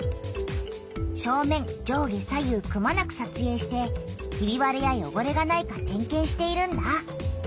正面上下左右くまなくさつえいしてひびわれやよごれがないか点けんしているんだ。